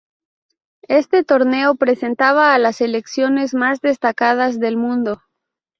Este torneo presentaba a las selecciones más destacadas del mundo.